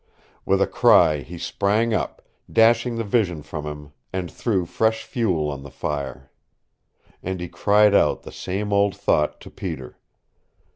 With a cry he sprang up, dashing the vision from him, and threw fresh fuel on the fire. And he cried out the same old thought to Peter.